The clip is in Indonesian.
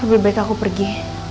lebih baik aku pergi